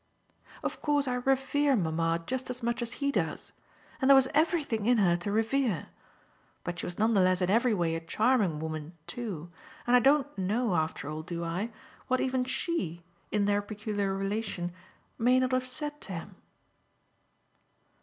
"Of course I revere mamma just as much as he does, and there was everything in her to revere. But she was none the less in every way a charming woman too, and I don't know, after all, do I? what even she in their peculiar relation may not have said to him."